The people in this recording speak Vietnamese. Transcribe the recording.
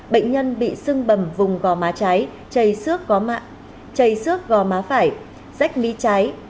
bệnh nhân bị xưng bầm vùng gò má trái chày xước gò má phải rách mí trái